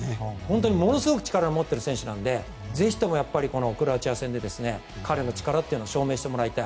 ものすごく力を持っている選手なのでぜひともクロアチア戦で彼の力を証明してもらいたい。